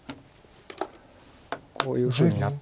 こういうふうになって。